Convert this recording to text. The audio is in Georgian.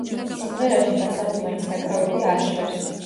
სიმღერაში დასარტყმელი საკრავები არ ჟღერს.